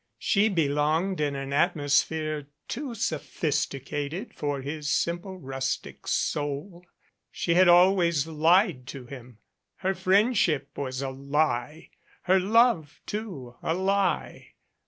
She belonged in an atmosphere too sophisticated for his simple rustic soul. She had always lied to him; her friendship was a lie; her love, too a lie.